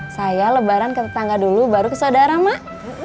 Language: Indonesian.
saya lebaran ke tetangga dulu baru ke saudara mah